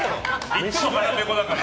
いつも腹ペコだから。